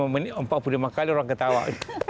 empat puluh lima menit empat puluh lima kali orang ketawa